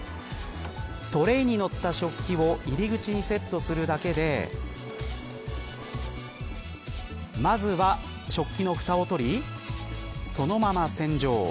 トレーに載った食器を入り口にセットするだけでまずは食器のふたを取りそのまま洗浄。